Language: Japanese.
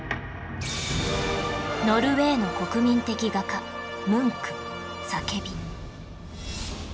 ノルウェーの国民的画家ムンク『叫び』